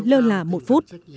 lơ là một phút